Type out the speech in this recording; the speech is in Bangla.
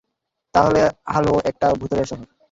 তাহলে হার্লো একটা ভুতুড়ে শহর।